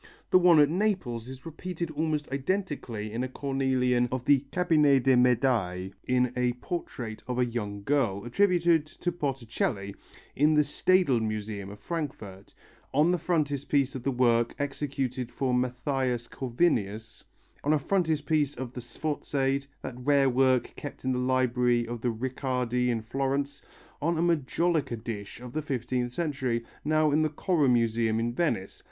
The one at Naples is repeated almost identically in a cornelian of the Cabinet des Medailles, in a portrait of a young girl, attributed to Botticelli, in the Staedel Museum of Frankfurt; on the frontispiece of a work executed for Mathias Corvinus; on a frontispiece of the Sforziade, that rare work kept in the library of the Riccardi in Florence; on a majolica dish of the fifteenth century, now in the Correr Museum in Venice.